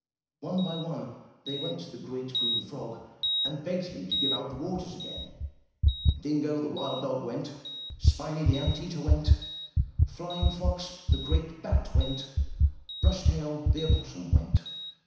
One by one, they went to the great, green frog and begged him to give out the waters again. Dingo, the wild dog, went; Spiny, the ant eater, went; Flying fox, the great bat, went; Brush tail, the opossum, went.